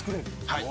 はい。